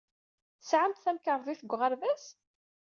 Tesɛamt tamkarḍit deg uɣerbaz?